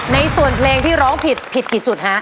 ในส่วนเพลงที่ร้องผิดผิดกี่จุดฮะ